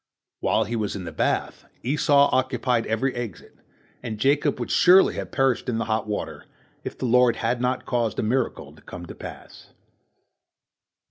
While he was in the bath, Esau occupied every exit, and Jacob would surely have perished in the hot water, if the Lord had not caused a miracle to come to pass.